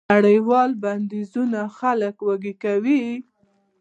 نړیوال بندیزونه خلک وږي کوي.